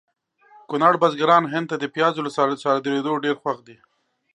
کونړ بزګران هند ته د پیازو له صادریدو ډېر خوښ دي